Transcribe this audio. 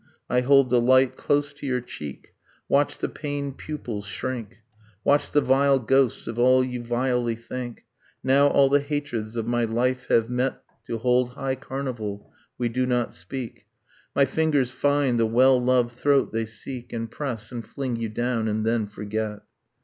I hold the light Close to your cheek, watch the pained pupils shrink, Watch the vile ghosts of all you vilely think ... Now all the hatreds of my life have met To hold high carnival ... we do not speak, My fingers find the well loved throat they seek, And press, and fling you down ... and then forget.